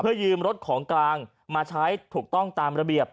ยืมรถของกลางมาใช้ถูกต้องตามระเบียบ